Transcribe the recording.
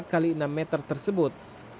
jayaan berukuran empat x enam meter tersebut